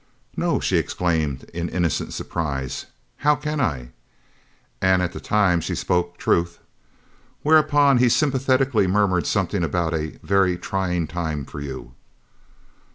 "No," she exclaimed in innocent surprise. "How can I?" (and at the time she spoke truth). Whereupon he sympathetically murmured something about "a very trying time for you."